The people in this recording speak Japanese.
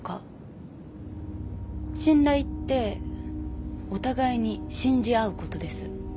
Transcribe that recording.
信頼ってお互いに信じ合うことです。